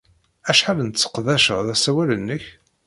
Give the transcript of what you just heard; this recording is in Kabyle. Acḥal n tesseqdaced asawal-nnek?